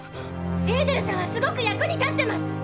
エーデルさんはすごく役に立ってます。